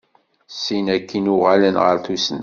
Sin akin uɣalen ɣer tusna.